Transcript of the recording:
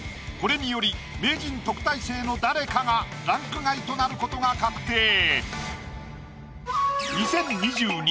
これにより名人・特待生の誰かがランク外となることが確定。